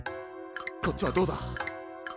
こっちはどうだ？